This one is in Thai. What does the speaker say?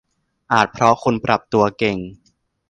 อาจเพราะคุณปรับตัวเก่ง